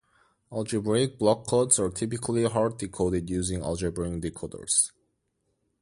Algebraic block codes are typically hard-decoded using algebraic decoders.